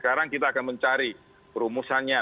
sekarang kita akan mencari perumusannya